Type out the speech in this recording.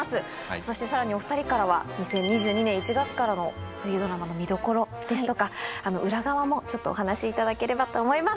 そしてさらにお２人からは２０２２年１月からの冬ドラマの見どころとか裏側もお話しいただければと思います。